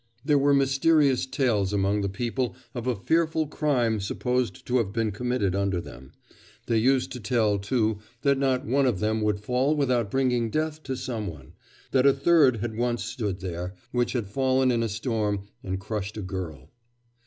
There were mysterious tales among the people of a fearful crime supposed to have been committed under them; they used to tell, too, that not one of them would fall without bringing death to some one; that a third had once stood there, which had fallen in a storm and crushed a girl.